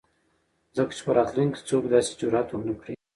ځکه چې په راتلونکي ،کې څوک داسې جرات ونه کړي.